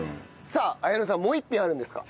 さあ彩乃さんもう一品あるんですか？